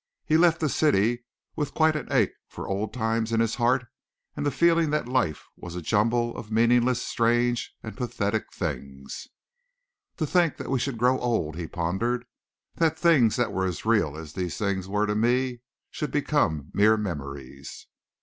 He left the city with quite an ache for old times in his heart and the feeling that life was a jumble of meaningless, strange and pathetic things. "To think that we should grow old," he pondered, "that things that were as real as these things were to me, should become mere memories."